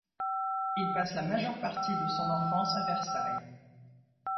Il passe la majeure partie de son enfance à Versailles.